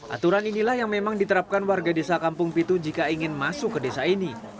aturan inilah yang memang diterapkan warga desa kampung pitu jika ingin masuk ke desa ini